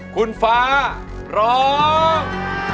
คุณฟ้าร้อง